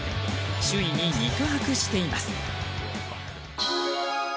首位に肉薄しています。